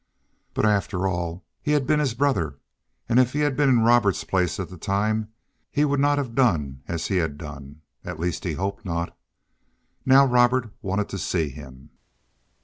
But, after all, he had been his brother, and if he had been in Robert's place at the time, he would not have done as he had done; at least he hoped not. Now Robert wanted to see him.